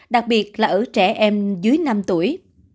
đặc biệt là ở trẻ em dưới năm tuổi